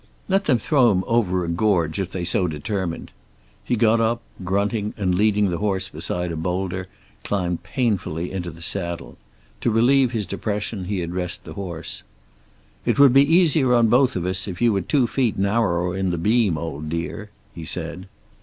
Let them throw him over a gorge if they so determined. He got up, grunting, and leading the horse beside a boulder, climbed painfully into the saddle. To relieve his depression he addressed the horse: "It would be easier on both of us if you were two feet narrower in the beam, old dear," he said.